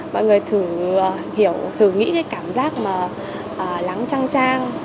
mọi người thử hiểu thử nghĩ cái cảm giác mà lắng trăng trang